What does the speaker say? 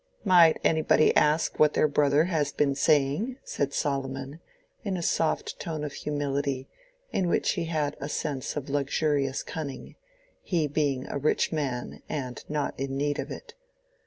"Might anybody ask what their brother has been saying?" said Solomon, in a soft tone of humility, in which he had a sense of luxurious cunning, he being a rich man and not in need of it.